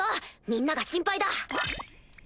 みんなが心配だ。